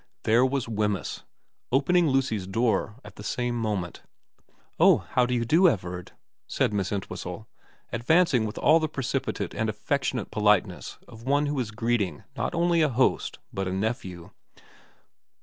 There was Wemyss, opening Lucy's door at the same moment. xxx VERA 341 ' Oh how do you do, Everard,' said Miss Entwhistle, advancing with all the precipitate and affectionate politeness of one who is greeting not only a host but a nephew.